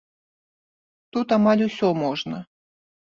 Тут амаль усё можна.